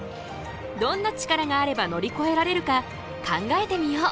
どんなチカラがあれば乗りこえられるか考えてみよう。